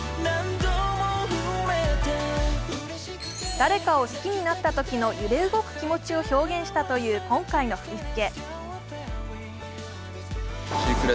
誰かを好きになったときの揺れ動く気持ちを表現したという今回の振り付け。